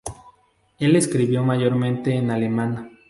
Él escribió mayormente en alemán.